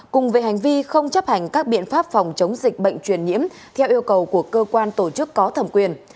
cùng về hành vi không chấp hành các biện pháp phòng chống dịch bệnh truyền nhiễm theo yêu cầu của cơ quan tổ chức có thẩm quyền